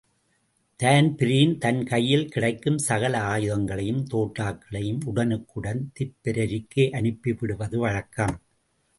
Dan Breen தன் கையில் கிடைக்கும் சகல ஆயுதங்களையும் தோட்டாக்களையும் உடனுக்குடன் திப்பெரரிக்கு அனுப்பி விடுவது வழக்கம்.